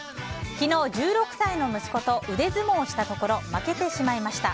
昨日、１６歳の息子と腕相撲したところ負けてしまいました。